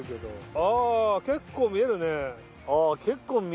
ああ結構見える。！